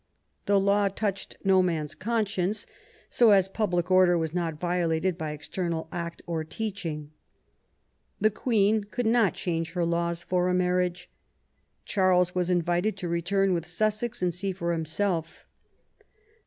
The law touched no man's conscience, so as public order was not violated by external act or teaching." The Queen could not change her laws for a marriage. Charles was invited to return with Sussex and see for himself.